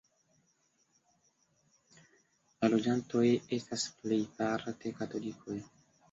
La loĝantoj estas plejparte katolikoj.